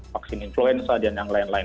vaksin influenza dan yang lain lain